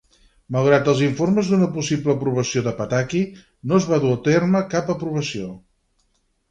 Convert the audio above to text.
Malgrat els informes d'una possible aprovació de Pataki, no es va dur a terme cap aprovació.